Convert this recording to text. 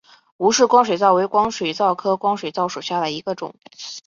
吴氏光水蚤为光水蚤科光水蚤属下的一个种。